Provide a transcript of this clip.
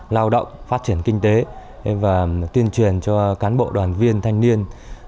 lao động phát triển kinh tế và tuyên truyền cho cán bộ đoàn viên thanh niên